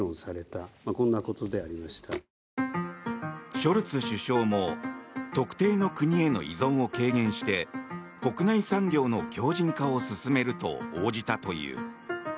ショルツ首相も特定の国への依存を軽減して国内産業の強じん化を進めると応じたという。